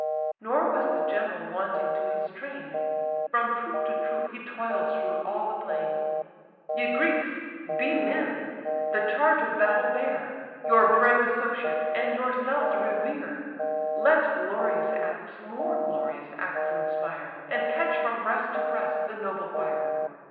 Nor was the general wanting to his train; From troop to troop he toils through all the plain, "Ye Greeks, be men! the charge of battle bear; Your brave associates and yourselves revere! Let glorious acts more glorious acts inspire, And catch from breast to breast the noble fire!